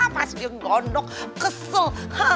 pas dia gondok kesel